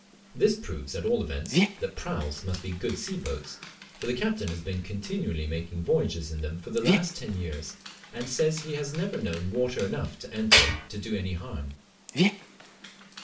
This proves at all events that praus must be good sea boats, for the captain has been continually making voyages in them for the last ten years, and says he has never known water enough enter to do any harm.